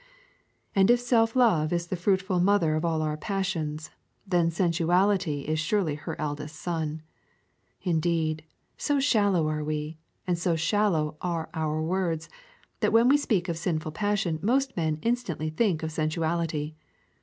And if self love is the fruitful mother of all our passions, then sensuality is surely her eldest son. Indeed, so shallow are we, and so shallow are our words, that when we speak of sinful passion most men instantly think of sensuality.